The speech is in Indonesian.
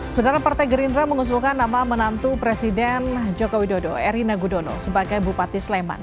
saudara partai gerindra mengusulkan nama menantu presiden joko widodo erina gudono sebagai bupati sleman